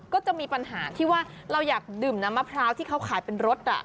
ก็จะมีปัญหาที่ว่าเราอยากดื่มน้ำมะพร้าวที่เขาขายเป็นรส